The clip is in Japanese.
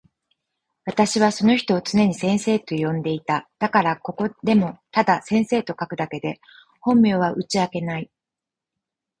私はその人を常に先生と呼んでいた。だから、ここでもただ先生と書くだけで、本名は打ち明けない。これは、世界を憚る遠慮というよりも、その方が私にとって自然だからである。